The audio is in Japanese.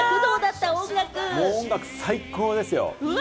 音楽、最高ですよ。